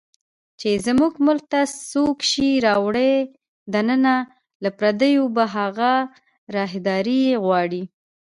چې زموږ ملک ته څوک شی راوړي دننه، له پردیو به هغه راهداري غواړي